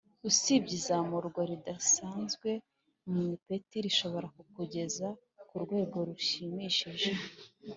Usibye izamurwa ridasanzwe mu ipeti rishobora kukugeza ku rwego rushimishije